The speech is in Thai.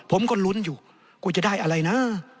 ผมก็ลุ้นอยู่กูจะได้อะไรนะ